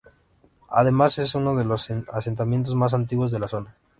Además, es uno de los asentamientos más antiguos de la zona.